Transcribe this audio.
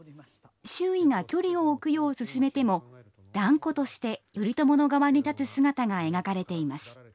周囲が距離を置くよう勧めても断固として頼朝の側に立つ姿が描かれています。